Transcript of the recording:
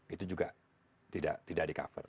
itu juga tidak di cover